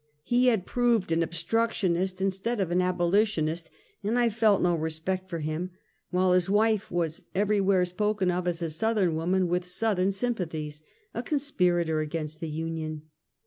He had proved an obstructionist instead of an abolitionist, and I felc no respect for him ; while his wife was every where spoken of as a Southern woman with Southern sympathies — a conspirator against the Union.